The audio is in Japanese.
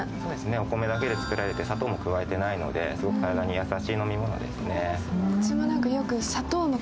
お米だけで造られて砂糖も加えられていないので、すごく体に優しい飲み物ですね。